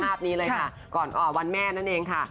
ภาพนี้เลยค่ะก่อนวันแม่นั่นเองค่ะ